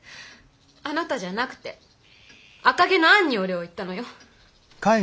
あなたじゃなくて「赤毛のアン」にお礼を言ったのよ。